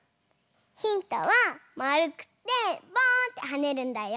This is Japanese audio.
ヒントはまるくてポーンってはねるんだよ。